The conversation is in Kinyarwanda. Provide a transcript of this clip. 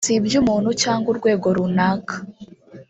si iby’umuntu cyangwa urwego runaka